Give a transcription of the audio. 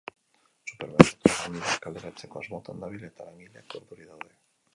Supermerkatua langileak kaleratzeko asmotan dabil eta langileak urduri daude.